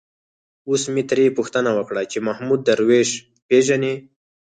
اوس مې ترې پوښتنه وکړه چې محمود درویش پېژني.